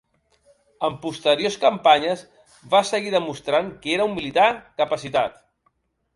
En posteriors campanyes va seguir demostrant que era un militar capacitat.